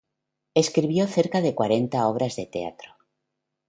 Escribió cerca de cuarenta obras de teatro.